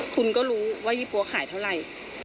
คุณก็รู้ว่ายี่ปั๊วขายเท่าไหร่